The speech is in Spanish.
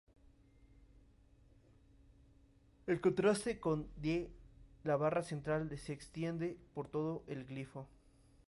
En contraste con Ð la barra central se extiende por todo el glifo.